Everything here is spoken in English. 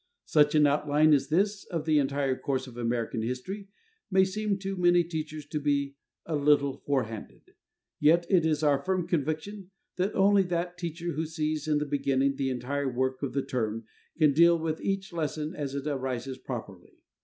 Such an outline as this of the entire course of American history may seem to many teachers to be a little forehanded, yet it is our firm conviction that only that teacher who sees in the beginning the entire work of the term can deal with each lesson as it arises properly.